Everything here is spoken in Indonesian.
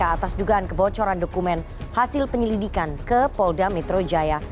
atas dugaan kebocoran dokumen hasil penyelidikan ke polda metro jaya